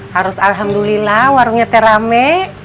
harus alhamdulillah warungnya teramai